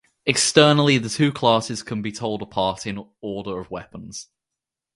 Externally, the two classes can be told apart by the order of weapons.